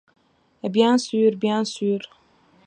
Bien sûr, bien sûr.